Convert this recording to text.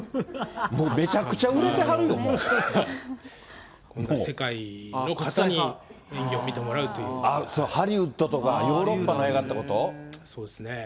もうめちゃくちゃ売れてはるよ、世界の方に演技を見てもらうハリウッドとか、ヨーロッパそうですね。